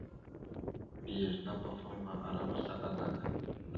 Mbiyez tapafaŋva ara maslaɗa adak.